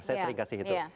saya sering kasih itu